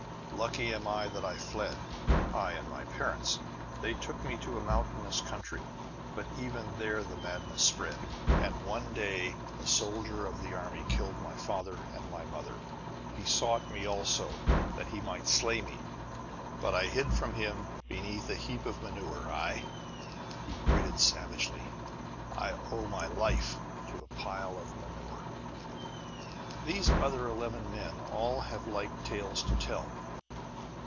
"Lucky am I that I fled, I and my parents! They took me to a mountainous country, but even there the madness spread, and one day a soldier of the army killed my father and my mother. He sought me, also, that he might slay me; but I hid from him beneath a heap of manure. Aye," he gritted savagely, "I owe my life to a pile of manure! "These other eleven men all have like tales to tell.